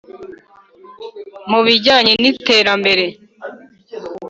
mu bijyanye n iterambere